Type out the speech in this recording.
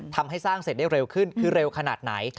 ทำให้สร้างเสร็จได้เร็วขึ้นคือเร็วขนาดไหน